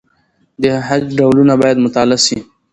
د خج ډولونه باید مطالعه سي.